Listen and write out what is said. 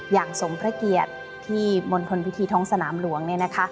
อย่างสมพระเกียรติที่มณฑลพิธีท้องสนามหลวง